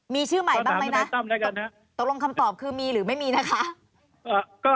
มีชื่อใหม่บ้างไหมนะตกลงคำตอบคือมีหรือไม่มีนะคะ